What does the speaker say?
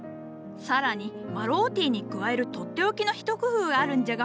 さらにマロウティーに加える取って置きの一工夫があるんじゃが。